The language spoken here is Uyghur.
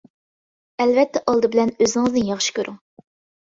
ئەلۋەتتە ئالدى بىلەن ئۆزىڭىزنى ياخشى كۆرۈڭ.